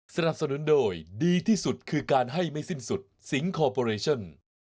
สนับสนุนโดยดีที่สุดคือการให้ไม่สิ้นสุดสิงคอร์ปอเรชั่น